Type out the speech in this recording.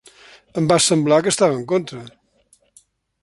Em va semblar que estava en contra.